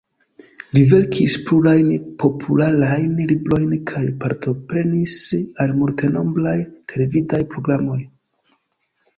Li verkis plurajn popularajn librojn kaj partoprenis al multenombraj televidaj programoj.